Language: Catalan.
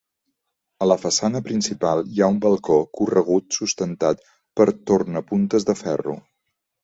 A la façana principal hi ha un balcó corregut sustentat per tornapuntes de ferro.